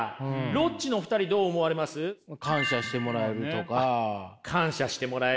ロッチの２人どう思われます？感謝してもらえるとか。感謝してもらえる。